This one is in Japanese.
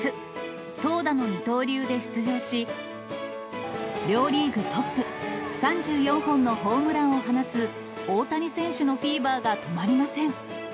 投打の二刀流で出場し、両リーグトップ、３４本のホームランを放つ大谷選手のフィーバーが止まりません。